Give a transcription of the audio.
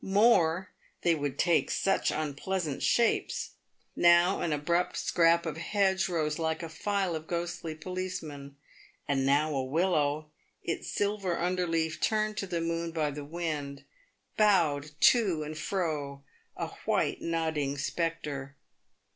More — they would take such unpleasant shapes ! Now an abrupt scrap of hedge rose like a file of ghostly policemen, and now a wil low, its silver underleaf turned to the moon by the wind, bowed to and fro — a white, nodding spectre.